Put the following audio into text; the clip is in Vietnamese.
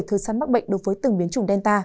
thời sắn mắc bệnh đối với từng biến chủng delta